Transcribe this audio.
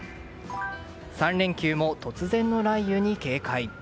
３連休も突然の雷雨に警戒。